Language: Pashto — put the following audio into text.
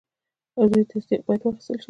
عضوي تصدیق باید واخیستل شي.